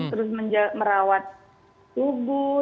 terus merawat tubuh